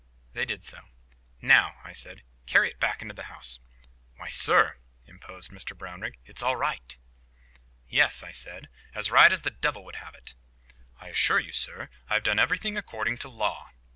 They did so. "Now," I said, "carry it back into the house." "Why, sir," interposed Mr Brownrigg, "it's all right." "Yes," I said, "as right as the devil would have it." "I assure you, sir, I have done everything according to law."